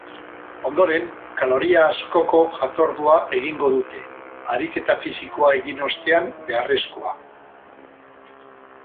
Ondoren, kaloria askoko jatordua egingo dute, ariketa fisikoa egin ostean beharrezkoa.